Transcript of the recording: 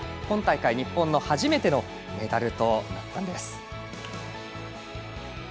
今大会、日本の初めてのメダルとなったんです。